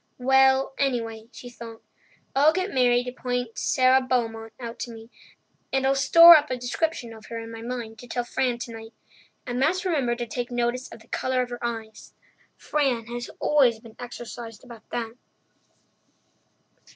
"Well, anyway," she thought, "I'll get Mary to point Sara Beaumont out to me, and I'll store up a description of her in my mind to tell Fran tonight. I must remember to take notice of the colour of her eyes. Fran has always been exercised about that."